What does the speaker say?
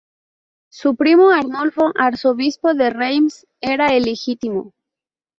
Su primo, Arnulfo, arzobispo de Reims, era ilegítimo.